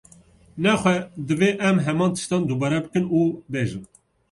Nexwe, divê em heman tiştan dubare bikin û bêjin